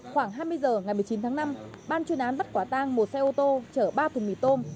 khoảng hai mươi h ngày một mươi chín tháng năm ban chuyên án bắt quả tang một xe ô tô chở ba thùng mì tôm